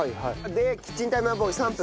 でキッチンタイマーボーイ３分。